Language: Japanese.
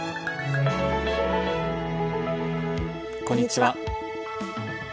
こんにちは。